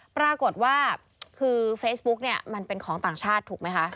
ปรากฏว่าคือเฟซบุ๊กเนี่ยมันเป็นของต่างชาติถูกไหมคะ